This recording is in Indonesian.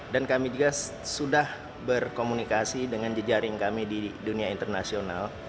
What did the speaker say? dan kami juga sudah berkomunikasi dengan jejaring kami di dunia internasional